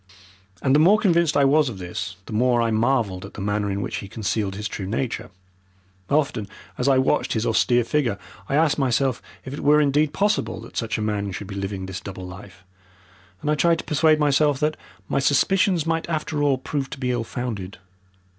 And the more convinced I was of this the more I marvelled at the manner in which he concealed his true nature. Often as I watched his austere figure, I asked myself if it were indeed possible that such a man should be living this double life, and I tried to persuade myself that my suspicions might after all prove to be ill founded.